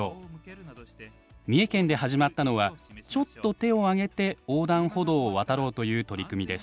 三重県で始まったのはちょっと手を上げて横断歩道を渡ろうという取り組みです。